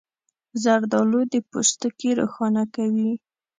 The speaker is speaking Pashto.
زردالو د پوستکي روښانه کوي.